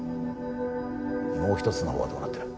もう一つのほうはどうなってる？